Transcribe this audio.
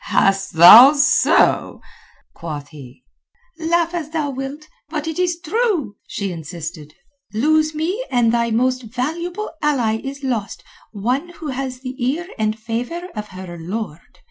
"Hast thou so?" quoth he. "Laugh as thou wilt, but it is true," she insisted. "Lose me and thy most valuable ally is lost—one who has the ear and favour of her lord.